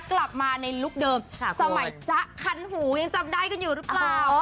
กลับมาในลุคเดิมสมัยจ๊ะคันหูยังจำได้กันอยู่หรือเปล่า